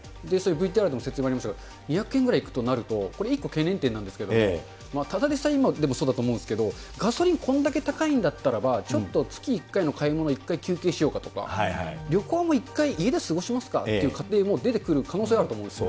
ＶＴＲでも説明ありましたけれども、２００円ぐらいいくとなると、これ一個懸念点なんですけれども、そうだと思うんですけれども、ガソリンこんだけ高いんだったらば、ちょっと月１回の買い物一回休憩しようかとか、旅行も一回家で過ごしますかっていう家庭も出てくる可能性があると思うんですよ。